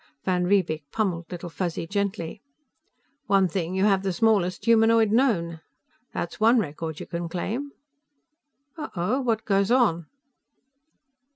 Van Riebeek pummeled Little Fuzzy gently. "One thing, you have the smallest humanoid known; that's one record you can claim. Oh oh, what goes on?"